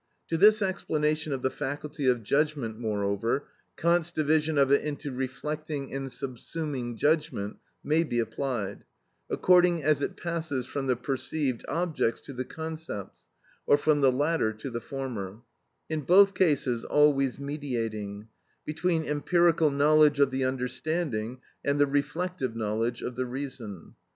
To this explanation of the faculty of judgment, moreover, Kant's division of it into reflecting and subsuming judgment may be applied, according as it passes from the perceived objects to the concepts, or from the latter to the former; in both cases always mediating between empirical knowledge of the understanding and the reflective knowledge of the reason.